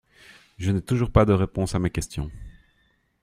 Je n’ai toujours pas de réponse à mes questions.